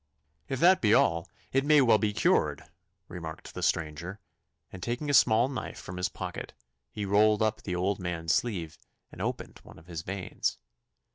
'If that be all it may well be cured, 'remarked the stranger; and taking a small knife from his pocket, he rolled up the old man's sleeve and opened one of his veins.